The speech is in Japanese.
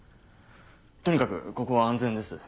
とにかくここは安全です。